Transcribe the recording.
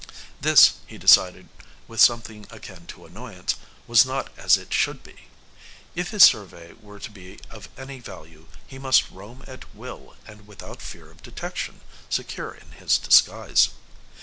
This, he decided with something akin to annoyance, was not as it should be. If his survey were to be of any value, he must roam at will and without fear of detection, secure in his disguise.